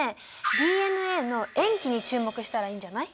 ＤＮＡの塩基に注目したらいいんじゃない？